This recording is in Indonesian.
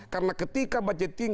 karena ketika budgeting